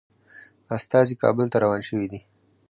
استازي کابل ته روان شوي دي.